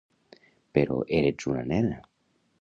Però erets una nena.